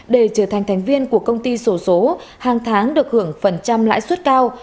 để trở thành thành viên của công ty sổ số hàng tháng được hưởng phần trăm lãi suất cao